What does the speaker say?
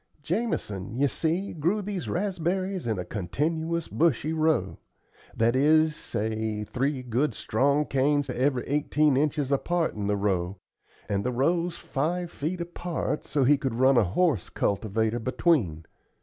Jamison, you see, grew these raspberries in a continuous bushy row; that is, say, three good strong canes every eighteen inches apart in the row, and the rows five feet apart, so he could run a horse cultivator between.